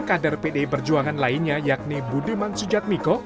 kader pdi perjuangan lainnya yakni budiman sujatmiko